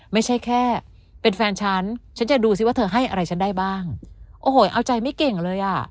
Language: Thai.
ไม่ใช่แค่เป็นแฟนฉันฉันจะดูสิว่าเธอให้อะไรฉันได้บ้างโอ้โหเอาใจไม่เก่งเลยอ่ะ